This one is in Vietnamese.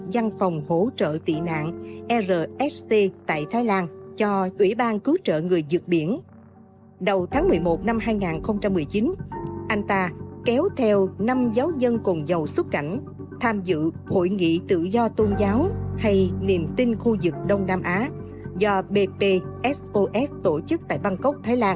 đầu tháng một mươi một năm hai nghìn một mươi chín anh ta kéo theo năm giáo dân còn giàu xuất cảnh tham dự hội nghị tự do tôn giáo hay niềm tin khu vực đông nam á do bpsos tổ chức tại bangkok thái lan